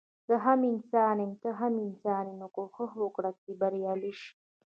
زه هم انسان يم ته هم انسان يي نو کوښښ وکړه چي بريالی شي